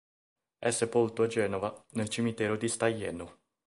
È sepolto a Genova nel cimitero di Staglieno.